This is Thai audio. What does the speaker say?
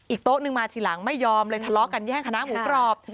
โต๊ะนึงมาทีหลังไม่ยอมเลยทะเลาะกันแย่งคณะหมูกรอบ